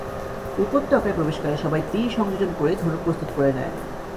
উপত্যকায় প্রবেশকালে সবাই তীর সংযোজন করে ধনুক প্রস্তুত করে নেয়।